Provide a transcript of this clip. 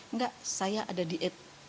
enggak saya ada diet